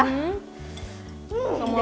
semua rumah ya